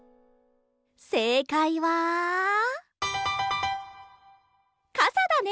せいかいはかさだね！